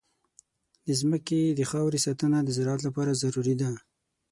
د ځمکې د خاورې ساتنه د زراعت لپاره ضروري ده.